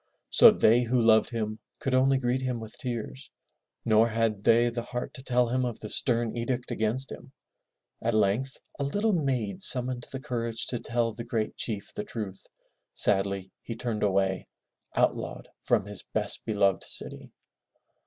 So they who loved him could only greet him with tears, nor had they the heart to tell him of the stem edict against him. At length a little maid summoned the courage to tell the great chief the truth. Sadly he turned away, outlawed from his best beloved city.